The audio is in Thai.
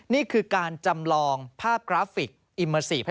นี่คือการจำลองภาพกราฟิกอิเมอร์ซีฟ